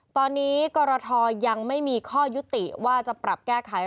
ตอนนี้กรทยังไม่มีข้อยุติว่าจะปรับแก้ไข